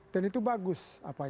dan itu bagus